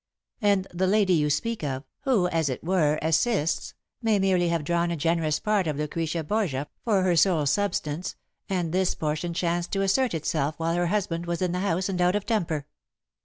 And the lady you speak of, who, as it were, assists, may merely have drawn a generous part of Lucretia Borgia for her soul substance, and this portion chanced to assert itself while her husband was in the house and out of temper."